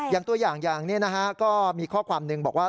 อย่างตัวอย่างอย่างนี้นะฮะก็มีข้อความหนึ่งบอกว่า